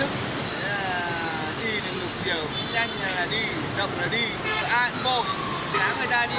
không ai có ý thức đi được chiều nhanh là đi động là đi